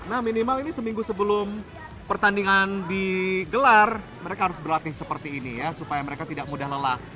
nah minimal ini seminggu sebelum pertandingan digelar mereka harus berlatih seperti ini ya supaya mereka tidak mudah lelah